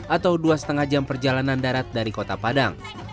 atau dua lima jam perjalanan darat dari kota padang